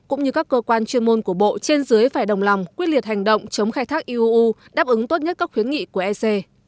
cũng như các cơ quan chuyên môn của bộ trên dưới phải đồng lòng quyết liệt hành động chống khai thác eu đáp ứng tốt nhất các khuyến nghị của ec